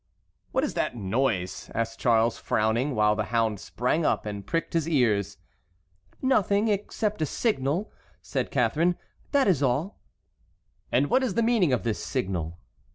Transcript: "What is that noise?" asked Charles, frowning, while the hound sprang up and pricked his ears. "Nothing except a signal," said Catharine; "that is all." "And what is the meaning of the signal?"